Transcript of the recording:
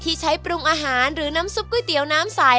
ที่ใช้ปรุงอาหารหรือน้ำซุปก๋วยเตี๋ยวน้ำสาย